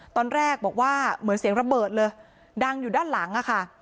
ตอนแรกบอกว่าเหมือนเสียงระเบิดเลยดังอยู่ด้านหลังอะค่ะ